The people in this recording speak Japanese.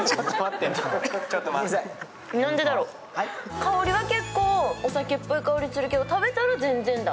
香りは結構お酒っぽい香りするけど、食べたら全然だ。